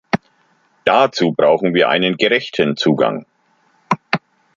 Dazu brauchen wir einen gerechten Zugang.